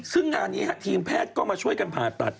ซึ่งงานนี้ทีมแพทย์ก็มาช่วยกันผ่าตัด